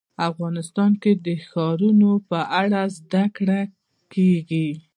افغانستان کې د ښارونه په اړه زده کړه کېږي.